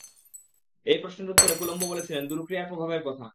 এ প্রশ্নের উত্তরে কুলম্ব বলেছিলেন, দূরক্রিয়ার প্রভাবের কথা।